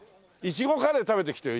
苺カレー食べてきてよ